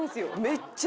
めっちゃ。